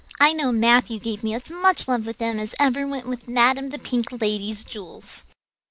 I know Matthew gave me as much love with them as ever went with Madame the Pink Lady's jewels."